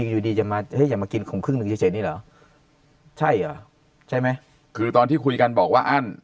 อยู่ดีจะมากินของครึ่งนึงเฉยนี่หรอใช่ไหมคือตอนที่คุยกันบอกว่าอ้าน